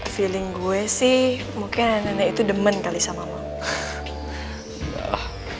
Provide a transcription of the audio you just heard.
feeling gue sih mungkin anak anak itu demen kali sama mama